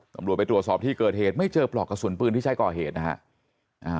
ตำรวจไปตรวจสอบที่เกิดเหตุไม่เจอปลอกกระสุนปืนที่ใช้ก่อเหตุนะฮะ